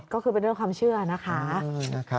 ก็คือเป็นด้วยความเชื่อนะคะ